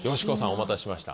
お待たせしました。